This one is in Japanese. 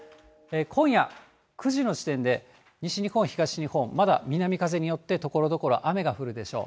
今夜９時の時点で、西日本、東日本、まだ南風によって、ところどころ雨が降るでしょう。